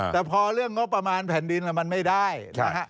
แต่พอเรื่องงบประมาณแผ่นดินมันไม่ได้นะฮะ